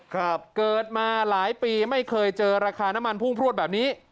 เกิดมาหลายปีไม่เคยเจอราคาน้ำมันพุ่งพลวดแบบนี้